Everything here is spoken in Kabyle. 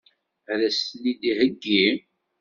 Ad as-ten-id-iheggi?